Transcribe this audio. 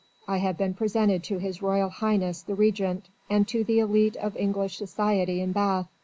I have been presented to His Royal Highness the Regent, and to the élite of English society in Bath.